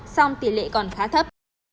song tỷ lệ còn khá thấp